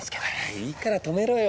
いいから泊めろよ